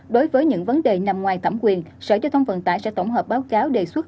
đối với những vấn đề nằm ngoài thẩm quyền sở giao thông vận tải sẽ tổng hợp báo cáo đề xuất